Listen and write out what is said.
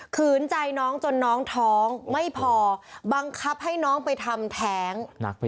ขืนใจน้องจนน้องท้องไม่พอบังคับให้น้องไปทำแท้ง